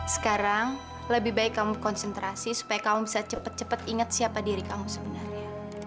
sekarang lebih baik kamu konsentrasi supaya kamu bisa cepat cepat ingat siapa diri kamu sebenarnya